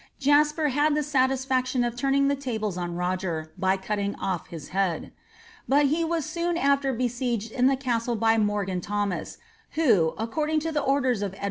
Jasper had the satisfaction of turning the tables on Roger, by cutting ofif his head. But he was soon afler besieged in the casUe by Morgan Thomas, who, according to the orders of Edward IV.